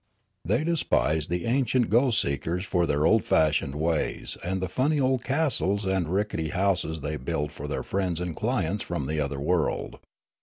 " They despise the ancient ghost seers for their old fashioned ways and the funny old castles and rickety houses they build for their friends and clients from the other world.